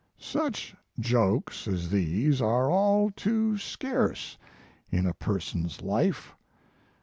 Such jokes as these are all too scarce in a person s life.